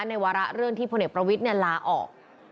ในวาระเรื่องที่พลเนตประวิทเนี่ยลาออก